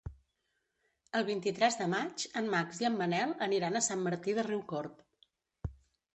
El vint-i-tres de maig en Max i en Manel aniran a Sant Martí de Riucorb.